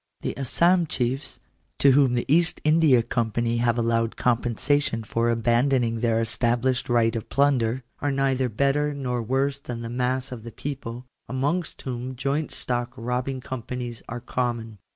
The Assam chiefs, to whom the East India Company have allowed compensation for abandoning their established right of plunder, are neither better nor worse than the mass of the people, amongst whom joint stock robbing companies are common.